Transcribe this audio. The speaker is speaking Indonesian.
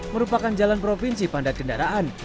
merupakan jalan provinsi padat kendaraan